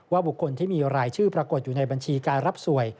บุคคลที่มีรายชื่อปรากฏอยู่ในบัญชีการรับสวย